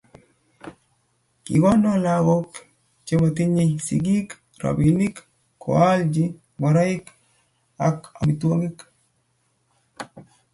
kigoni lagook chematinyei sigiik robinik, keolchi ngoroik, amitwogik